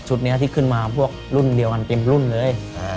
นี้ที่ขึ้นมาพวกรุ่นเดียวกันเต็มรุ่นเลย